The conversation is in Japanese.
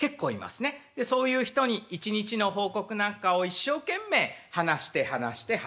そういう人に一日の報告なんかを一生懸命話して話して話して。